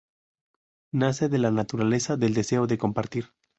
Nace de la naturaleza del deseo de compartir.